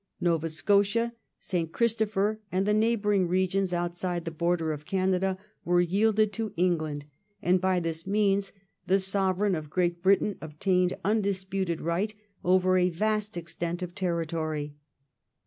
Nova Scotia, St. Christopher, and the neighbouring regions outside the border of Canada were yielded to England, and by this means the Sovereign of Great Britain obtained undisputed right over a vast extent of territory.